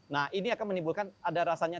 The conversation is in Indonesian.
nah ini akan menimbulkan ada rasanya